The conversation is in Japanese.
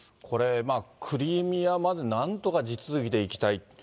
これ、クリミアまでなんとか地続きで行きたい。